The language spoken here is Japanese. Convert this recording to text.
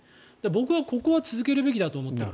僕はここは続けるべきだと思っている。